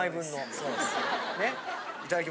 そうです。